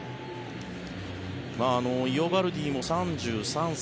イオバルディも３３歳。